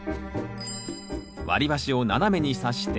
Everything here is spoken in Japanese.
割り箸を斜めにさして